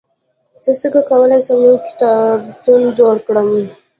زه څنګه کولای سم، یو کتابتون جوړ کړم؟